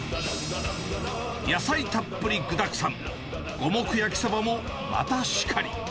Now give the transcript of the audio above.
野菜たっぷり、具だくさん、五目焼きソバもまたしかり。